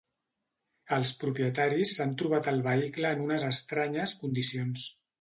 Els propietaris s'han trobat el vehicle en unes estranyes condicions.